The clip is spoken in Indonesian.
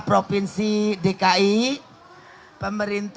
bu susi nyambut